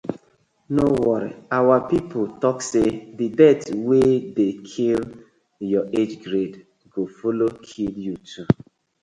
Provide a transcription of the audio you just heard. No worry, our pipu tok say di death wey di kill yah age grade go follow kill yu too.